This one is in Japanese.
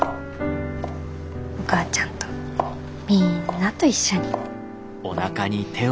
お母ちゃんとみんなと一緒に。